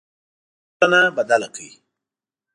پښتنه ټولنه بدله کړئ.